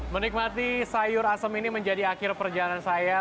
menikmati sayur asem ini menjadi akhir perjalanan saya